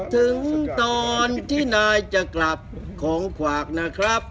ถึงตอนที่นายจะกลับของขวากนะครับ